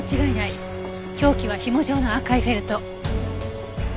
凶器はひも状の赤いフェルト。